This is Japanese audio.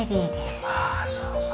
ああそうか。